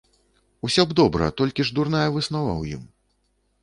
Усё б добра, толькі ж дурная выснова ў ім.